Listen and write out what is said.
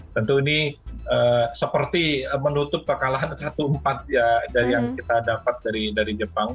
tentu ini seperti menutup kekalahan satu empat ya dari yang kita dapat dari jepang